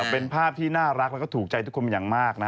เป็นภาพที่น่ารักถูกใจทุกคนมาก